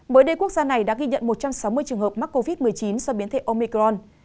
mới đây quốc gia này đã ghi nhận một trăm sáu mươi trường hợp mắc covid một mươi chín do biến thể omicron